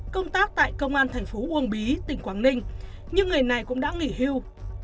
công tác tại công an thành phố uông bí tỉnh quảng ninh nhưng người này cũng đã nghỉ hưu